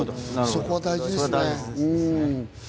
そこは大事ですね。